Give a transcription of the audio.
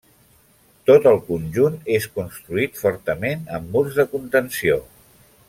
Tot el conjunt és construït fortament amb murs de contenció.